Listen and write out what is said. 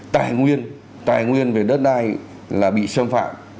tài nguyên tài nguyên về đất đai là bị xâm phạm